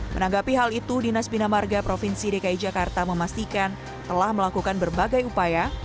menanggapi hal itu dinas bina marga provinsi dki jakarta memastikan telah melakukan berbagai upaya